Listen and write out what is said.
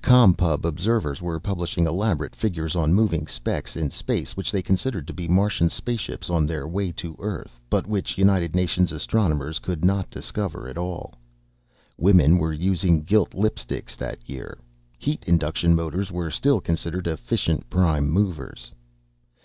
Com Pub observatories were publishing elaborate figures on moving specks in space which they considered to be Martian spaceships on their way to Earth, but which United Nations astronomers could not discover at all. Women were using gilt lipsticks that year. Heat induction motors were still considered efficient prime movers.